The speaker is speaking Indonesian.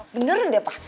beneran deh pak